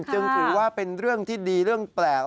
จึงถือว่าเป็นเรื่องที่ดีเรื่องแปลก